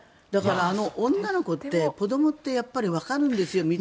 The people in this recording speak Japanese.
だから、女の子って子どもってやっぱりわかるんですよ。